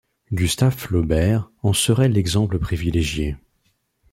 Gustave Flaubert en serait l'exemple privilégié.